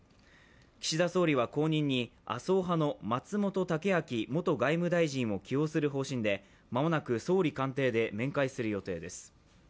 岸田総理は後任に麻生派の松本剛明元外務大臣を起用する方針で、間もなく総理官邸で面会する予定です。